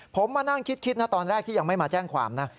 ผมมานั่งคิดนะตอนแรกที่ยังไม่มาแจ้งความนะ